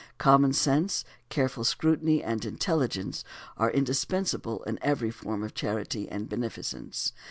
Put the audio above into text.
Common sense, careful scrutiny, and intelligence, are indispensable in every form of charity and beneficence.